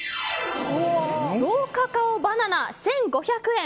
ローカカオバナナ、１５００円。